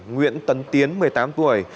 nguyễn tấn tiến một mươi tám tuổi